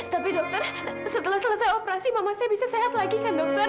tapi dokter setelah selesai operasi mama saya bisa sehat lagi kan dokter